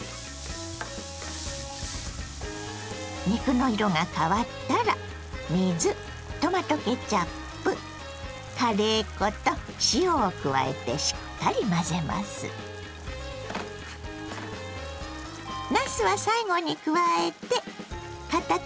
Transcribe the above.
肉の色が変わったら水トマトケチャップカレー粉と塩を加えてしっかり混ぜます。